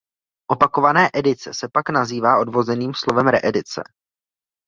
Opakované edice se pak nazývá odvozeným slovem reedice.